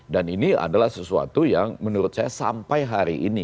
dan ini adalah sesuatu yang menurut saya sampai hari ini